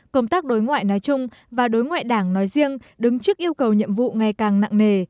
công tác đối ngoại nói chung và đối ngoại đảng nói riêng đứng trước yêu cầu nhiệm vụ ngày càng nặng nề